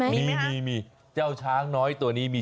มันกลุ๊ปคลักอย่างนี้เลย